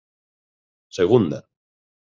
Segunda.